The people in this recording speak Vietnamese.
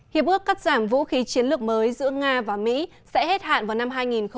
hiệp ước cắt giảm vũ khí chiến lược mới giữa nga và mỹ sẽ hết hạn vào năm hai nghìn hai mươi